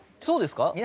そうですか？